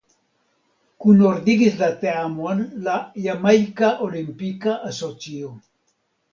Kunordigis la teamon la "Jamajka Olimpika Asocio".